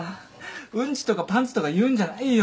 うんちとかパンツとか言うんじゃないよ